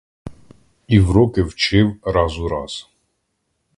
І вроки вчив раз у раз.